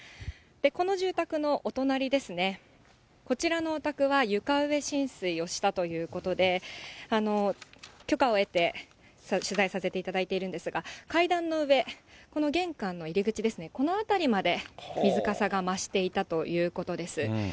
この住宅のお隣ですね、こちらのお宅は床上浸水をしたということで、許可を得て、取材させていただいているんですが、階段の上、この玄関の入り口ですね、この辺りまで水かさが増していたということです。